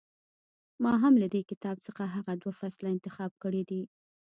ما هم له دې کتاب څخه هغه دوه فصله انتخاب کړي دي.